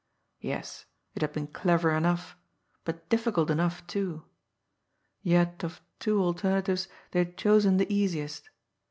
Yes, it had been clever enough but difficult enough too! Yet of two alternatives they had chosen the easiest.